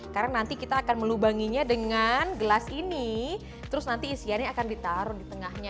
karena nanti kita akan melubanginya dengan gelas ini terus nanti isiannya akan ditaruh di tengahnya